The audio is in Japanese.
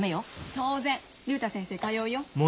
当然竜太先生通うよ。